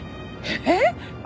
えっ？